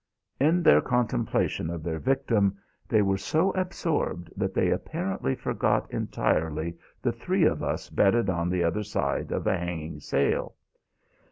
In their contemplation of their victim they were so absorbed that they apparently forgot entirely the three of us bedded on the other side of the hanging sail.